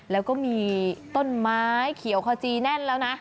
แล้วก็มีต้นไม้เขียวขจีแน่นแล้วนะ